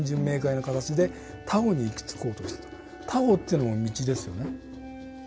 「タオ」というのも「道」ですよね。